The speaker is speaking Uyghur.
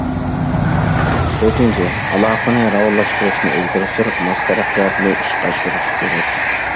تۆتىنچى، ئالاقىنى راۋانلاشتۇرۇشنى ئىلگىرى سۈرۈپ، ماس تەرەققىياتنى ئىشقا ئاشۇرۇش كېرەك.